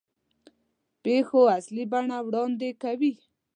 پېښو اصلي بڼه وړاندې کوي.